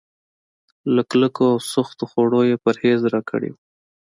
له کلکو او سختو خوړو يې پرهېز راکړی و.